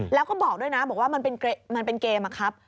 แล้วก็บอกด้วยนะบอกว่ามันเป็นเกมอะครับ